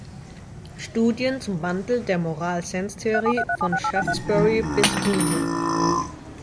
Studien zum Wandel der moral-sense-Theorie von Shaftesbury bis Hume.